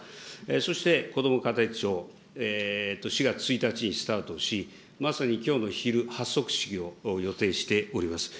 そしてこども家庭庁、４月１日にスタートをし、まさにきょうの昼、発足式を予定しております。